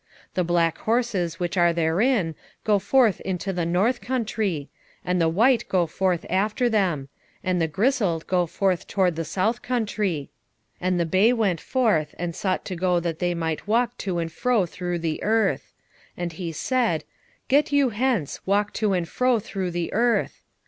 6:6 The black horses which are therein go forth into the north country; and the white go forth after them; and the grisled go forth toward the south country. 6:7 And the bay went forth, and sought to go that they might walk to and fro through the earth: and he said, Get you hence, walk to and fro through the earth.